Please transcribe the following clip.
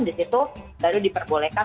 disitu baru diperbolehkan